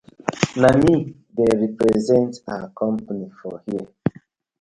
Na mi dey represent our company for here.